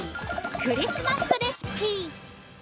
クリスマスレシピ！！